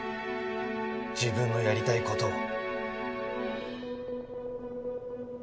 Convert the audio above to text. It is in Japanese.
自分のやりたい事を。